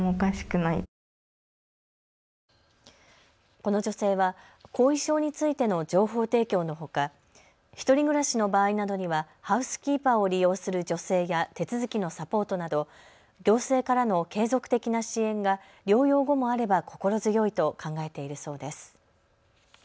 この女性は後遺症についての情報提供のほか１人暮らしの場合などにはハウスキーパーを利用する助成や手続きのサポートなど行政からの継続的な支援が療養後もあれば心強いと考えているそうです。